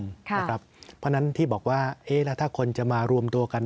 เพราะฉะนั้นที่บอกว่าแล้วถ้าคนจะมารวมตัวกัน